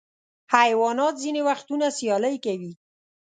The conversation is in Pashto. حیوانات ځینې وختونه سیالۍ کوي.